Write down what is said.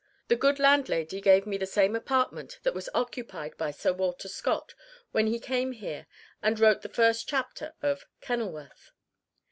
The good landlady gave me the same apartment that was occupied by Sir Walter Scott when he came here and wrote the first chapter of "Kenilworth."